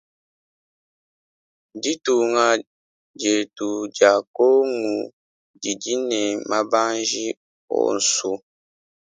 Ditunga dietu dia kongu didi ne mabanji onsu.